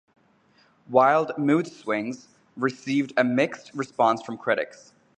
"Wild Mood Swings" received a mixed response from critics.